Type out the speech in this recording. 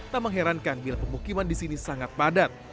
tak mengherankan bila pemukiman di sini sangat padat